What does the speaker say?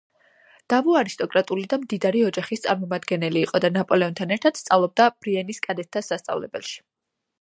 დავუ არისტოკრატული და მდიდარი ოჯახის წარმომადგენელი იყო და ნაპოლეონთან ერთად სწავლობდა ბრიენის კადეტთა სასწავლებელში.